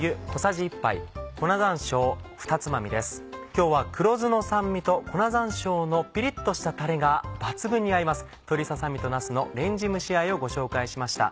今日は黒酢の酸味と粉山椒のピリっとしたタレが抜群に合います「鶏ささ身となすのレンジ蒸しあえ」をご紹介しました。